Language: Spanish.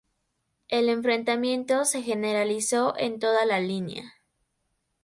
El enfrentamiento se generalizó en toda la línea.